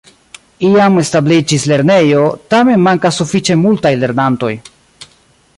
Iam establiĝis lernejo, tamen mankas sufiĉe multaj lernantoj.